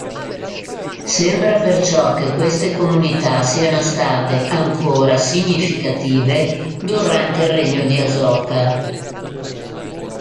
Sembra perciò che queste comunità siano state ancora significative durante il regno di Aśoka.